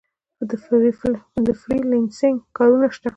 د فری لانسینګ کارونه شته؟